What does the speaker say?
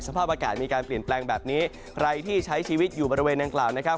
สภาพอากาศมีการเปลี่ยนแปลงแบบนี้ใครที่ใช้ชีวิตอยู่บริเวณดังกล่าวนะครับ